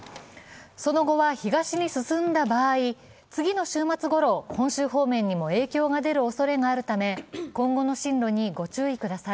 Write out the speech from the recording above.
その後は東に進んだ場合、次の週末ごろ、本州方面にも影響が出るおそれがあるため今後の進路にご注意ください。